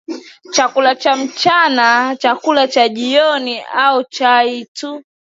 chakula cha mchana chakula cha jioni au chai tu